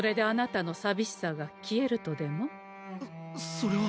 それは。